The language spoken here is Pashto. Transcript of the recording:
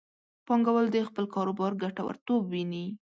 پانګوال د خپل کاروبار ګټورتوب ویني.